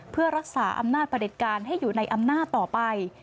เพื่อรักษาอำนาจประเด็จการให้อยู่ในอำนาจต่อไป